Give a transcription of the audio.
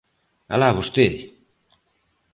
¡Alá vostede!